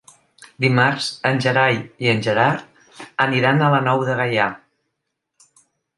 Dimarts en Gerai i en Gerard aniran a la Nou de Gaià.